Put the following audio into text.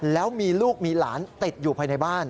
แล้วมีลูกมีหลานติดอยู่ภายในบ้าน